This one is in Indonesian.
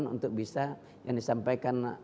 untuk bisa yang disampaikan